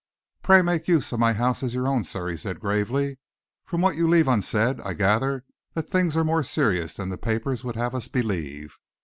"Pray make use of my house as your own, sir," he said gravely. "From what you leave unsaid, I gather that things are more serious than the papers would have us believe.